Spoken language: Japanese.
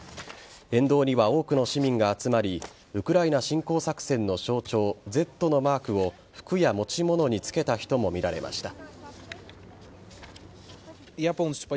沿道には多くの市民が集まりウクライナ侵攻作戦の象徴Ｚのマークを服や持ち物につけた人も見られました。